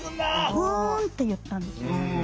「うん」って言ったんですよ。